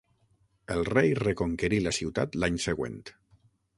El rei reconquerí la ciutat l'any següent.